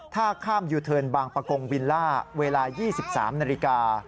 ถ้าข้ามยูเทิร์นบางประกงวิลล่าเวลา๒๓นาฬิกา